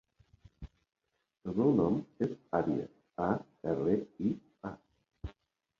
El meu nom és Aria: a, erra, i, a.